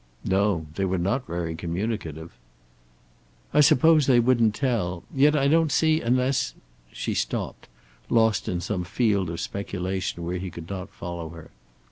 "No. They were not very communicative." "I suppose they wouldn't tell. Yet I don't see, unless " She stopped, lost in some field of speculation where he could not follow her.